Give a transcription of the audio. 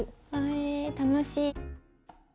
え楽しい！